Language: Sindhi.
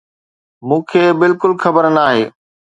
مون کي بلڪل خبر ناهي